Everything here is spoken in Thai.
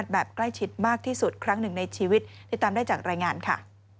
แบบใกล้ชิดมากที่สุดครั้งหนึ่งในชีวิตติดตามได้จากรายงานค่ะ